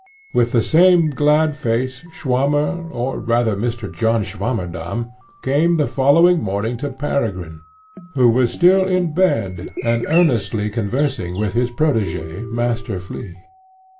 With the same glad face, Swammer, or rather Mr. John Swammerdamm, came the following morning to Peregrine, who was still in bed and earnestly conversing with his protegé, Master Flea.